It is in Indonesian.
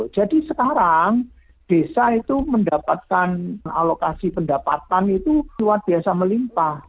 jadi sekarang desa itu mendapatkan alokasi pendapatan itu luar biasa melimpah